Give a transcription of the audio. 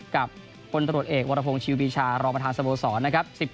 กับพลตรวจเอกวรพงศ์ชิวปีชารองประธานสโมสรนะครับ